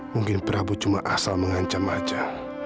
mungkin prabu cuma asal mengancam aja